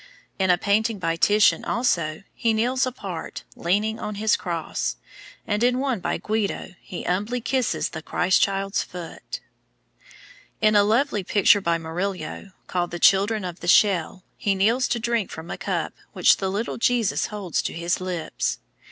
In a painting by Titian, also, he kneels apart, leaning on his cross, and in one by Guido, he humbly kisses the Christ child's foot. In a lovely picture by Murillo, called the "Children of the Shell," he kneels to drink from a cup which the little Jesus holds to his lips.